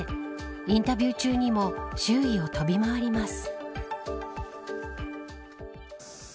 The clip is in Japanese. インタビュー中にも周囲を飛び回ります。